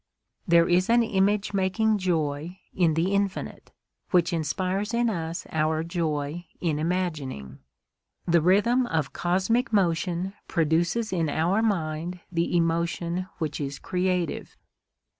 There is an image making joy in the infinite, which inspires in us our joy in imagining. The rhythm of cosmic motion produces in our mind the emotion which is creative.